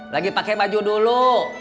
lagi pakai baju dulu